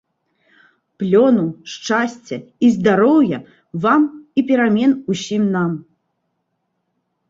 Плёну, шчасця і здароўя, вам і перамен усім нам!